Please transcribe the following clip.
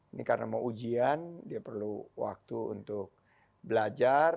ini karena mau ujian dia perlu waktu untuk belajar